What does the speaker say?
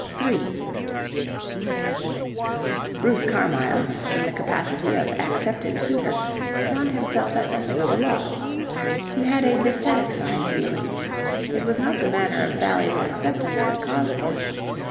3 Bruce Carmyle, in the capacity of accepted suitor, found himself at something of a loss. He had a dissatisfied feeling. It was not the manner of Sally's acceptance that caused this.